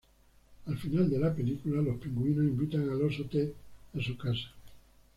Al final de la película, los pingüinos invitan al oso Ted a su casa.